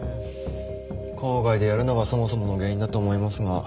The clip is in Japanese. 校外でやるのがそもそもの原因だと思いますが。